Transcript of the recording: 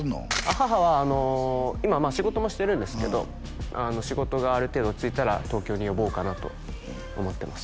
母は今仕事もしてるんですけど仕事がある程度落ち着いたら東京に呼ぼうかなと思ってます